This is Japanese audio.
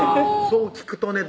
そう聞くとね